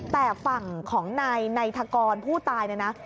แต่ฝั่งของนายนายทะกรผู้ตายนะ